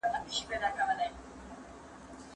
له ښار څخه بیرون لاړ شئ.